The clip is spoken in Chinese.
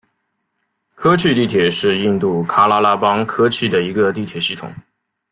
科契地铁是印度喀拉拉邦科契的一个地铁系统。